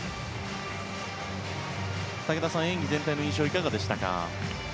武田さん、演技全体の印象いかがでしたか？